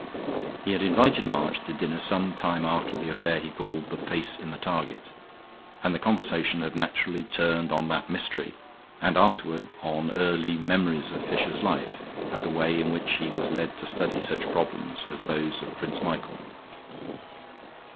He had invited March to dinner some time after the affair he called "The Face in the Target," and the conversation had naturally turned on that mystery and afterward on earlier memories of Fisher's life and the way in which he was led to study such problems as those of Prince Michael.